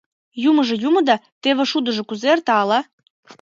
— Юмыжо юмо да... теве шудыжо кузе эрта — ала...